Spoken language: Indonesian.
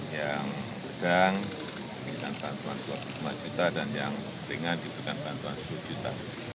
yang sedang diberikan bantuan rp dua puluh lima juta dan yang ringan diberikan bantuan rp sepuluh juta